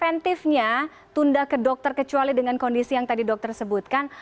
preventifnya tunda ke dokter kecuali dengan kondisi yang tadi dokter sebutkan